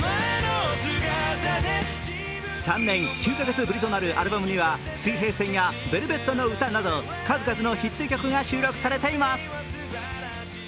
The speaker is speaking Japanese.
３年９か月ぶりとなるアルバムには「水平線」や「ベルベットの詩」など数々のヒット曲が収録されています。